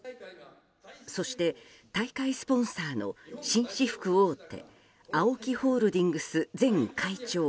そして、大会スポンサーの紳士服大手ＡＯＫＩホールディングス前会長